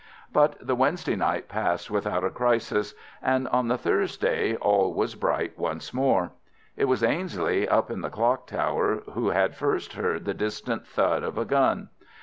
But the Wednesday night passed without a crisis, and on the Thursday all was bright once more. It was Ainslie up in the clock tower who had first heard the distant thud of a gun.